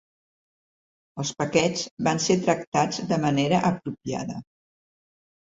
Els paquets van ser tractats de manera apropiada.